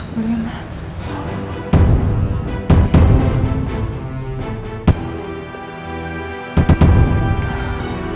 aku masukan dia arizona